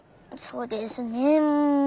そうですねうん。